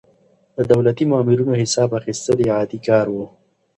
د دولتي مامورينو حساب اخيستل يې عادي کار و.